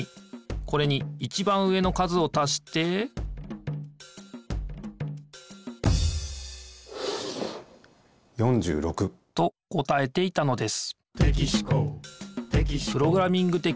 これにいちばん上の数をたして４６。と答えていたのです